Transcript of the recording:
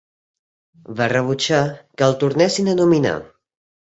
Va rebutjar que el tornessin a nominar.